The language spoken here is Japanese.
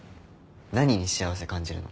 何に幸せ感じるの？